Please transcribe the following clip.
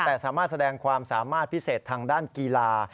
แต่สามารถแสดงความสามารถพิเศษทางด้านกีฬา